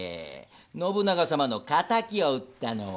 信長様の仇を討ったのは？